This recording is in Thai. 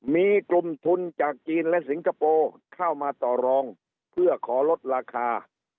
มีกลุ่มทุนจากจีนและสิงคโปร์เข้ามาต่อรองเพื่อขอลดราคา